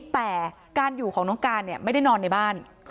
แต่การอยู่ของน้องการไม่ได้นอนในบ้าน